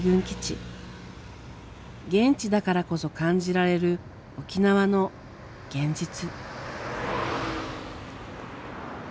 現地だからこそ感じられる沖縄の「現実」。